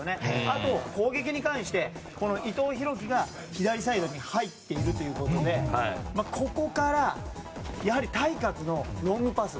あと、攻撃に関して伊藤洋輝が左サイドに入っているということでここから、やはり対角のロングパス。